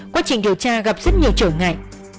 quá trình điều tra gặp rất nhiều trở ngại